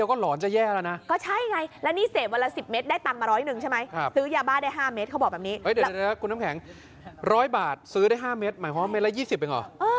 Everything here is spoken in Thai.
เขาบอกแบบนี้เดี๋ยวคุณน้ำแข็ง๑๐๐บาทซื้อได้๕เมตรหมายความว่าเมตรละ๒๐เองหรอ